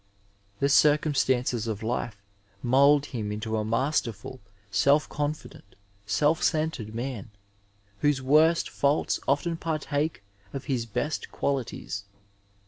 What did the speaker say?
The circumstances of life mould him into a masterful, self confident, self centered man, whose worst faults often partake of his best qualities.